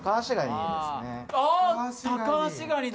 あタカアシガニだ。